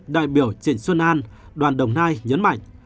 đại biểu trịnh xuân an đoàn đồng nai nhấn mạnh